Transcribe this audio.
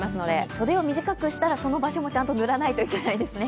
袖を短くしたらその場所もちゃんと塗らないといけないですね。